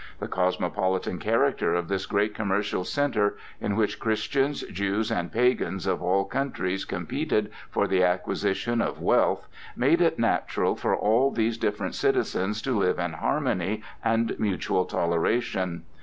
The cosmopolitan character of this great commercial centre, in which Christians, Jews, and pagans of all countries competed for the acquisition of wealth, made it natural for all these different citizens to live in harmony and mutual toleration.